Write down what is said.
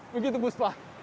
begitu bu spa